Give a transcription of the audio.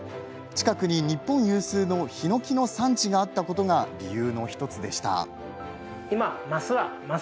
近くに日本有数のヒノキの産地があったことが理由の１つでした。